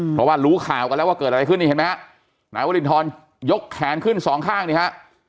เพราะว่ารู้ข่าวกันแล้วว่าเกิดอะไรขึ้นนี่เห็นไหมฮะนายวรินทรยกแขนขึ้นสองข้างนี่ฮะ